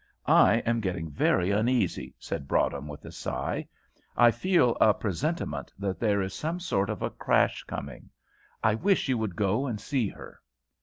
I am getting very uneasy," said Broadhem, with a sigh; "I feel a presentiment that there is some sort of a crash coming; I wish you would go and see her."